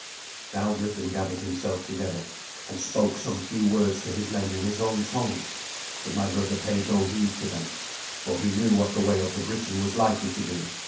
Now Griffin gathered himself together, and spoke some few words to his men in his own tongue; but my brother paid no heed to them, for he knew what the way of the Briton was likely to be.